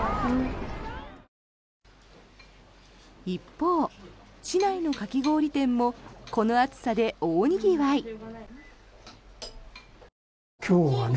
一方、市内のかき氷店もこの暑さで大にぎわい。